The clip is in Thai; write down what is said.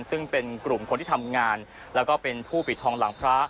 ซึ่งเป็นกลุ่มคนที่ทำงานแล้วก็เป็นผู้ปิดทองหลังพระ